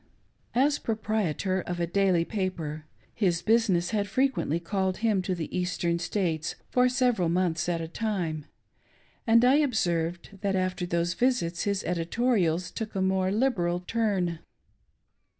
As proprietor of a daily paper, his business had frequently called him to the Eastern States for several months at a time, atid I observed that after those visits his editorials took a more liberal turn.